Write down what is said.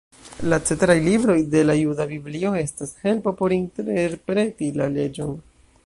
La ceteraj libroj de la juda biblio estas helpo por interpreti la leĝon.